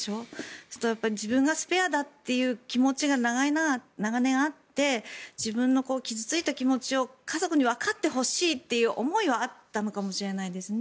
そうすると、自分がスペアだっていう気持ちが長年あって自分の傷付いた気持ちを家族にわかってほしいという思いはあったのかもしれないですね。